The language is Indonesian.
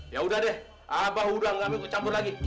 ya udah deh abah udah gak mau ikut campur lagi